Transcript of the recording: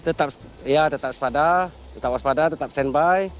tetap waspada tetap waspada tetap standby